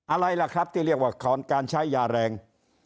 อะไรล่ะครับที่เรียกว่าการใช้ยาแรง